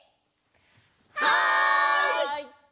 はい！